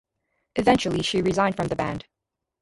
Eventually she resigned from the band.